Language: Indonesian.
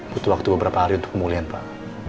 butuh waktu beberapa hari untuk pemulihan pak